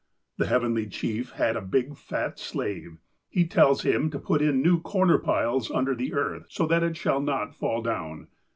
The Heavenly Chief had a big, fat slave. He tells him to put in new corner piles under the earth, so that it shall not fall down.